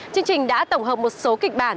chương trình đã tổng hợp một số kịch bản